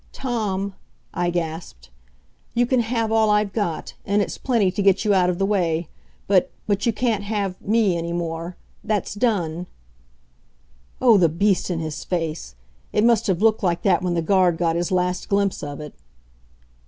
"Tom," I gasped, "you can have all I've got; and it's plenty to get you out of the way. But but you can't have me any more. That's done!" Oh, the beast in his face! It must have looked like that when the guard got his last glimpse of it.